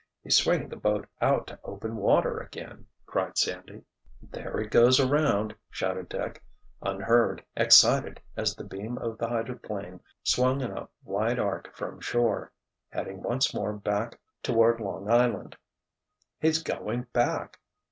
"He's swinging the boat out to open water again!" cried Sandy. "There it goes around!" shouted Dick, unheard, excited, as the beam of the hydroplane swung in a wide arc from shore, heading once more back toward Long Island. "He's going back!"